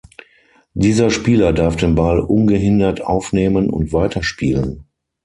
Dieser Spieler darf den Ball ungehindert aufnehmen und weiterspielen.